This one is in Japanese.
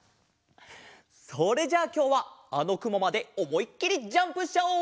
それじゃあきょうはあのくもまでおもいっきりジャンプしちゃおう！